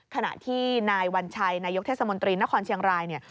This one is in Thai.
ขณะที่นายวัญชัยนายกเทศมนตรีนครเชียงรายเนี่ย